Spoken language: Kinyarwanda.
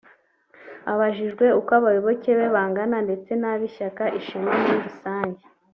Abajijwe uko abayoboke be bangana ndetse n’ab’ishyaka Ishema muri rusange